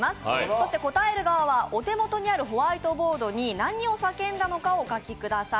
そして答える側はお手元にあるホワイトボードに何を叫んだのかお書きください。